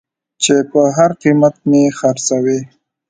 چې په هر قېمت مې خرڅوې.